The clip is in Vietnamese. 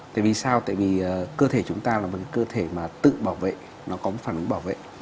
tại vì sao tại vì cơ thể chúng ta là một cơ thể mà tự bảo vệ nó có một phản ứng bảo vệ